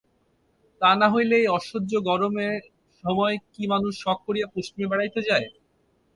তা না হইলে এই অসহ্য গরমের সময় কি মানুষ শখ করিয়া পশ্চিমে বেড়াইতে যায়।